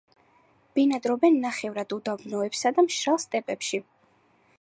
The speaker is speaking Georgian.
ბინადრობენ ნახევრად უდაბნოებსა და მშრალ სტეპებში.